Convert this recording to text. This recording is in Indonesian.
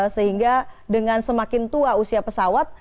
sehingga dengan semakin tua usia pesawat